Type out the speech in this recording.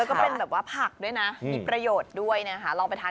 แล้วก็เป็นแบบว่าผักด้วยนะมีประโยชน์ด้วยนะคะลองไปทาน